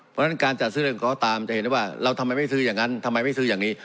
เพราะฉะนั้นการจัดซื้อเรื่องของตามจะเห็นได้ว่าเราทำไมไม่ซื้ออย่างนั้นทำไมไม่ซื้ออย่างนี้